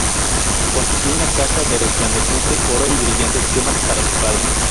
Construyó una casa de resplandeciente oro y brillantes gemas para su padre.